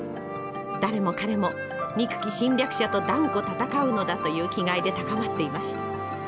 誰も彼も憎き侵略者と断固戦うのだという気概で高まっていました。